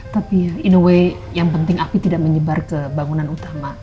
tapi ya in away yang penting api tidak menyebar ke bangunan utama